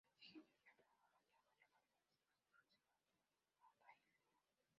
El siguiente diagrama muestra a las localidades más próximas a Dahlgren.